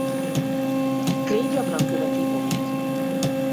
Clay gyakran követi Omit.